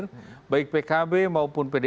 terutama saya kira kita juga tahu dalam bulan terakhir